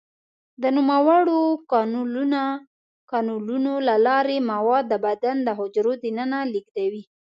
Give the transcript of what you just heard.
د نوموړو کانالونو له لارې مواد د بدن د حجرو دننه لیږدوي.